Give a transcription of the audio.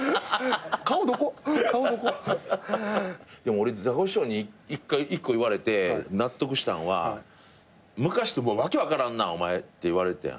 俺ザコシショウに１個言われて納得したのは昔「訳分からんなお前」って言われたやん。